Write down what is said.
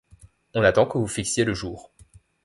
On attend que vous fixiez le jour.